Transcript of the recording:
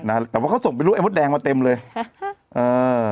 น่าแต่ว่าเขาส่งไปรู้ไอ้พ่อแดงมาเต็มเลยเอ่อ